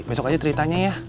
besok aja ceritanya ya